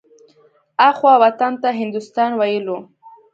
اخوا وطن ته هندوستان ويلو.